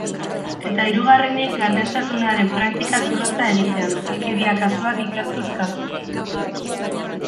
Eta hirugarrenik, gardentasunaren praktika zorrotza egitea, ustelkeria kasuak ikertuz kasu.